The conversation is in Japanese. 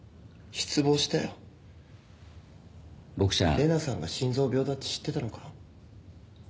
麗奈さんが心臓病だって知ってたのか？